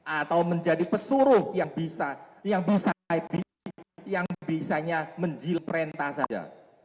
atau menjadi pesuruh yang bisa yang bisanya menjil perintah saja